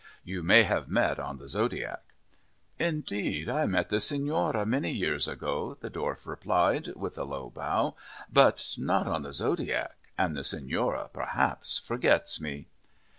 You may have met on the Zodiac." "Indeed, I met the Signora many years ago," the Dwarf replied, with a low bow. "But not on the Zodiac, and the Signora perhaps forgets me."